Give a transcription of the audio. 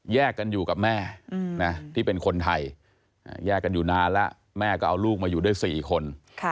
กันอยู่กับแม่ที่เป็นคนไทยแยกกันอยู่นานแล้วแม่ก็เอาลูกมาอยู่ด้วย๔คน